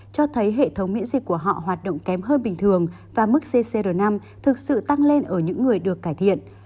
cho thấy hệ thống miễn dịch của họ hoạt động kém hơn bình thường và mức cr năm thực sự tăng lên ở những người được cải thiện